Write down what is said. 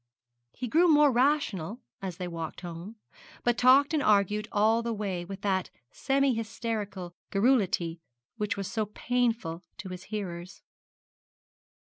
He grew more rational as they walked home, but talked and argued all the way with that semi hysterical garrulity which was so painful to his hearers.